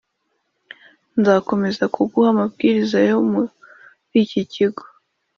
ndakomeza kuguha amabwiriza yo muriki kigo